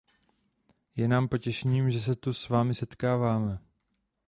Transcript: Je nám potěšením, že se tu s vámi setkáváme.